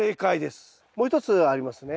もう一つありますね。